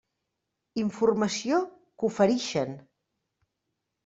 Informació que oferixen.